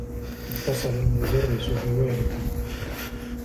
اتّصل المدرّس بوالديّ.